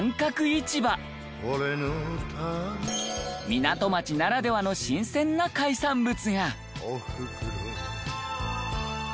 港町ならではの新鮮な海産物が。